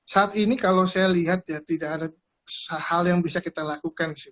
saat ini kalau saya lihat ya tidak ada hal yang bisa kita lakukan sih